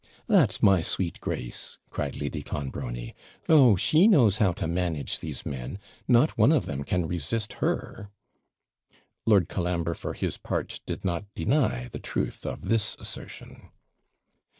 'That's my sweet Grace!' cried Lady Clonbrony. 'Oh! she knows how to manage these men not one of them can resist her!' Lord Colambre, for his part, did not deny the truth of this assertion.